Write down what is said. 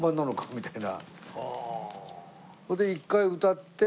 みたいな。